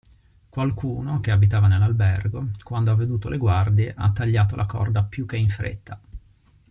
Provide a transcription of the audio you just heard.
Qualcuno, che abitava nell'albergo, quando ha veduto le guardie, ha tagliato la corda più che in fretta.